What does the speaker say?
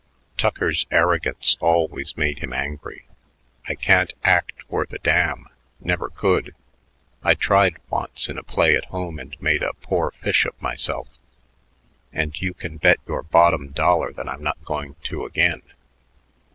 Tucker's arrogance always made him angry. "I can't act worth a damn. Never could. I tried once in a play at home and made a poor fish of myself, and you can bet your bottom dollar that I'm not going to again."